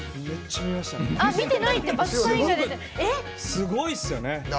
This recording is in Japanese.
すごいっすよね。